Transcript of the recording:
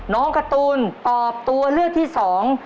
การ์ตูนตอบตัวเลือกที่สอง